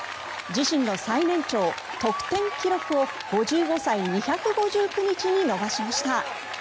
自身の最年長得点記録を５５歳２５９日に伸ばしました。